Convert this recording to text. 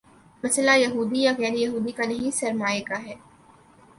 مسئلہ یہودی یا غیر یہودی کا نہیں، سرمائے کا ہے۔